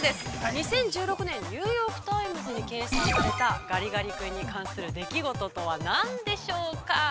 ２０１６年、ニューヨーク・タイムズに掲載されたガリガリ君に関する出来事とは何でしょうか。